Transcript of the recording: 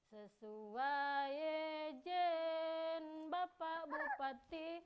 ketua ejen bapak bupati